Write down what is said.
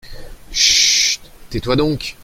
Chut ! tais-toi donc.